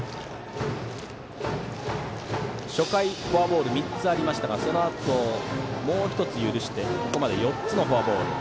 初回、フォアボール３つありましたがそのあと、もう１つ許してここまで４つのフォアボール。